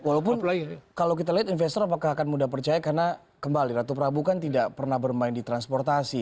walaupun kalau kita lihat investor apakah akan mudah percaya karena kembali ratu prabu kan tidak pernah bermain di transportasi